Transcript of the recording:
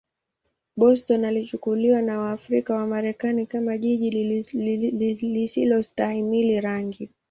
Boston ilichukuliwa na Waafrika-Wamarekani kama jiji lisilostahimili rangi.